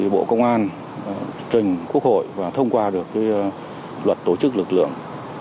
bộ công an trình quốc hội và thông qua được luật tổ chức lực lượng